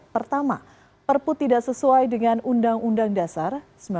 pertama perpu tidak sesuai dengan undang undang dasar seribu sembilan ratus empat puluh